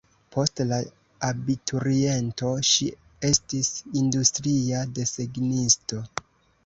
Post la abituriento ŝi estis industria desegnisto.